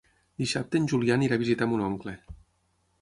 Dissabte en Julià anirà a visitar mon oncle.